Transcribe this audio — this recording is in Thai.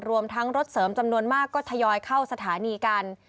รวมทั้งรถเสริมจำนวนมากก็ทยอยเข้าสถานีกัน